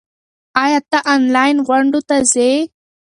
ایا ته آنلاین غونډو ته ځې؟